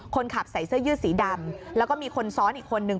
คนขับใส่เสื้อยืดสีดำแล้วก็มีคนซ้อนอีกคนนึง